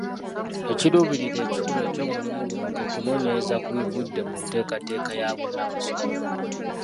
Ekiruubirira ekikulu eky'omulimu guno kwe kunoonyereza ku bivudde mu nteekateeka ya bonna basome.